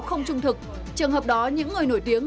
không trung thực trường hợp đó những người nổi tiếng